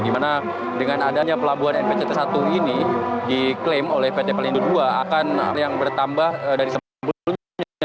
di mana dengan adanya pelabuhan mpct satu ini diklaim oleh pt pelindung dua akan yang bertambah dari sebelumnya